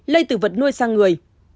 lây từ vật nuôi sang người